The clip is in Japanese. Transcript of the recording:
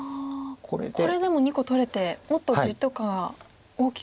これでも２個取れてもっと地とか大きく。